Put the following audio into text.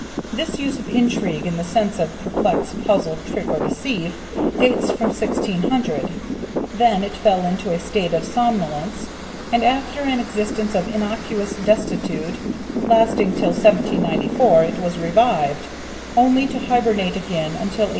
This use of intrigue in the sense of "perplex, puzzle, trick, or deceive" dates from 1600. Then it fell into a state of somnolence, and after an existence of innocuous desuetude lasting till 1794 it was revived, only to hibernate again until 1894.